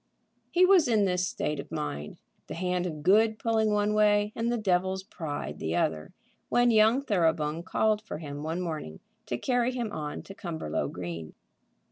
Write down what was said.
He was in this state of mind, the hand of good pulling one way and the devil's pride the other, when young Thoroughbung called for him one morning to carry him on to Cumberlow Green.